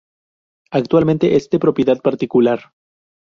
Actualmente es de propiedad particular.